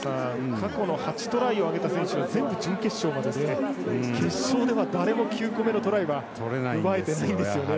過去の８トライを挙げた選手が全部、準決勝までで決勝では誰も９個目のトライは奪えてないんですよね。